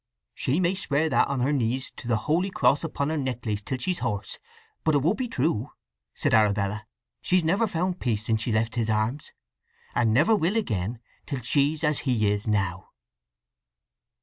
"She may swear that on her knees to the holy cross upon her necklace till she's hoarse, but it won't be true!" said Arabella. "She's never found peace since she left his arms, and never will again till she's as he is now!"